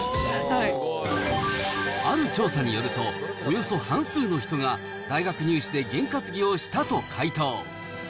ある調査によると、およそ半数の人が大学入試で験担ぎをしたと回答。